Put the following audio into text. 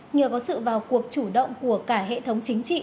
nhờ có sự vào cuộc chủ động của cả hệ thống chính trị